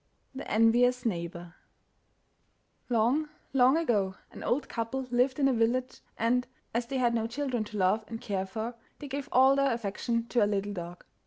THE ENVIOUS NEIGHBOUR Long, long ago an old couple lived in a village, and, as they had no children to love and care for, they gave all their affection to a little dog.